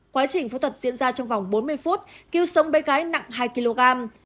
quá trình phẫu thuật diễn ra trong vòng bốn mươi phút cứu sống bé gái nặng hai kg